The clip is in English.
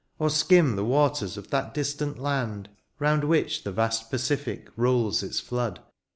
Or skim the waters of that distant land. Round which the vast Pacific rolls its flood.